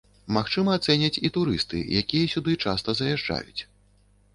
Магчыма ацэняць і турысты, якія сюды часта заязджаюць.